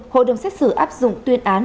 hội đồng xét xử áp dụng tuyên án